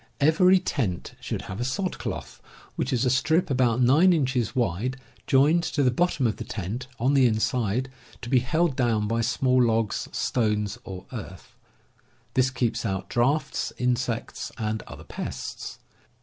Every tent should have a sod cloth, which is a strip about nine inches wide joined to the bottom of the tent on the inside, to be held down by small logs, stones, or earth. This keeps out draughts, insects, and other pests.